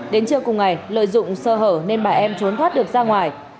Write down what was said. đến trưa cùng ngày lợi dụng sơ hở nên bà em trốn thoát được ra ngoài